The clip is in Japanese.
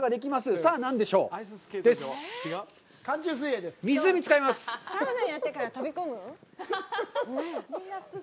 サウナやってから飛び込む？